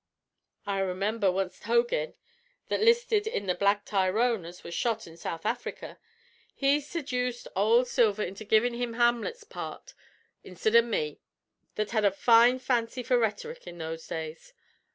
I remember wanst Hogin, that 'listed in the Black Tyrone an' was shot in South Africa, he sejuced ould Silver into givin' him Hamlut's part instid av me, that had a fine fancy for rhetoric in those days.